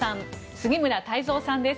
杉村太蔵さんです。